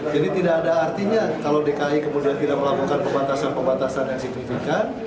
jadi tidak ada artinya kalau dki kemudian tidak melakukan pembatasan pembatasan yang signifikan